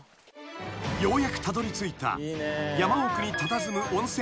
［ようやくたどりついた山奥にたたずむ温泉宿］